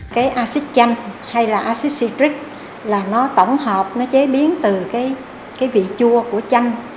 cái acid chanh hay là acidcric là nó tổng hợp nó chế biến từ cái vị chua của chanh